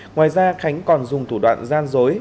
ngoài ra khánh còn dùng thủ đoạn gian dối